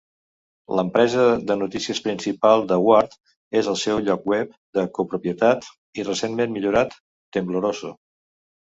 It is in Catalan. L'empresa de notícies principal de Ward és el seu lloc web de copropietat i recentment millorat, Tembloroso.